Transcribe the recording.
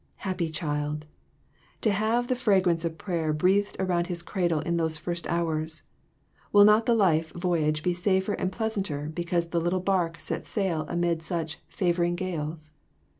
Happy child ! To have the fragrance of prayer breathed about his cradle in those first hours. Will not the life voy age be safer and pleasanter because the little bark set sail amid such " favoring gales"?